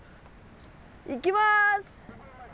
行きます！